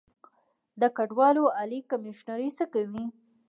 د کډوالو عالي کمیشنري څه کوي؟